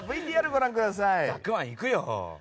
ＶＴＲご覧ください。